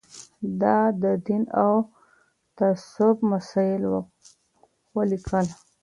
ده د دين او تصوف مسايل وليکل